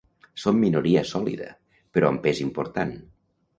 Són minoria sòlida però amb pes important.